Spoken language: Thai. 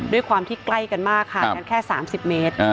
ด้วยความที่ใกล้กันมากห่างกันแค่๓๐เมตร